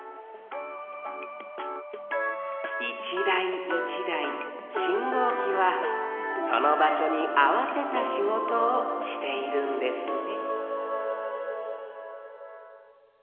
１だい１だい信号機はそのばしょにあわせたしごとをしているんですね